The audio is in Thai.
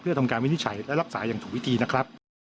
เพื่อทำการวินิจฉัยและรักษาอย่างถูกวิธีนะครับ